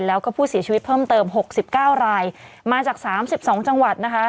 แล้วก็ผู้เสียชีวิตเพิ่มเติมหกสิบเก้ารายมาจากสามสิบสองจังหวัดนะคะ